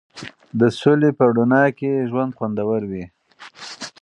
د سولې په رڼا کې ژوند خوندور وي.